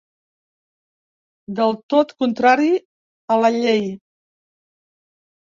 Del tot contrari a la llei.